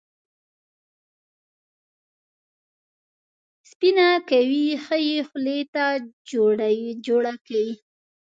سپینه کوي، ښه یې خولې ته جوړه کوي.